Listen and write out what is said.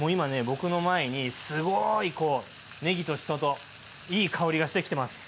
僕の前にすごいこうねぎとしそといい香りがしてきてます。